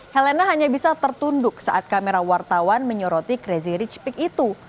helena hanya bisa tertunduk saat kamera wartawan menyoroti crazy rich peak itu